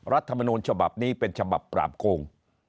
รัฐมนูลฉบับนี้เป็นฉบับปราบโกง